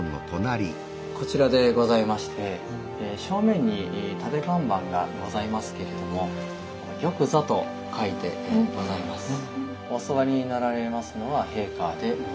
こちらでございまして正面に立て看板がございますけれども「玉座」と書いてございます。